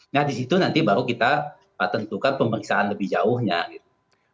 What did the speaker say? nah disitu nanti baru kita tentukan pemeriksaan lebih jauhnya gitu